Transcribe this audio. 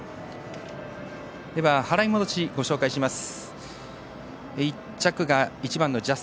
払い戻し、ご紹介します。